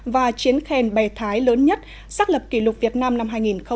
và chiến khen bè thái lớn nhất xác lập kỷ lục việt nam năm hai nghìn một mươi bảy